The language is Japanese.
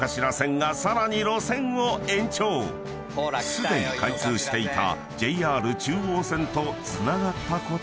［すでに開通していた］